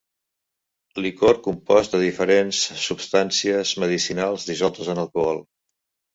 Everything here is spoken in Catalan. Licor compost de diferents substàncies medicinals dissoltes en alcohol.